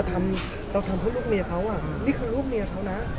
ทำเราทำเพื่อลูกเมียเขาอ่ะนี่คือลูกเมียเขานะ